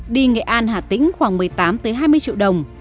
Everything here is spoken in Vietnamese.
đi nghệ an hà tĩnh khoảng một mươi tám hai mươi triệu đồng